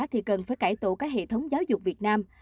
thì cần phải cải tổ các hệ thống giáo dục việt nam